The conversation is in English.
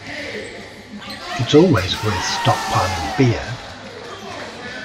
It’s always worth stockpiling beer.